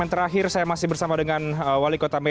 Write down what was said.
terima kasih pak